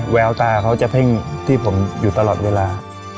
แววตาเขาจะเพ่งที่ผมอยู่ตลอดเวลา